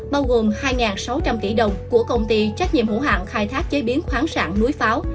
bao gồm hai sáu trăm linh tỷ đồng của công ty trách nhiệm hữu hạng khai thác chế biến khoáng sản núi pháo